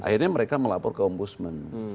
akhirnya mereka melapor ke ombudsman